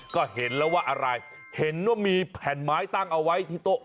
ก็เห็นแล้วว่าอะไรเห็นว่ามีแผ่นไม้ตั้งเอาไว้ที่โต๊ะ